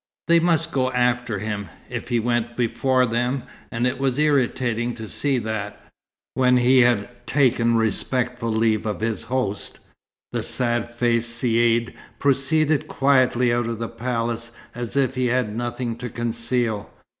They must go after him, if he went before them, and it was irritating to see that, when he had taken respectful leave of his host, the sad faced caïd proceeded quietly out of the palace as if he had nothing to conceal.